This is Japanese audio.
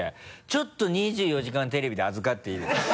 ちょっと２４時間テレビで預かっていいですか？